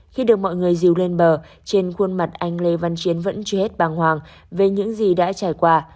khi được mọi người diều lên bờ trên khuôn mặt anh lê văn chiến vẫn chưa hết bàng hoàng về những gì đã trải qua